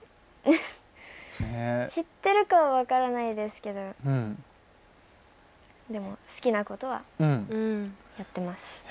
知っているかは分からないですけどでも、好きなことはやってます。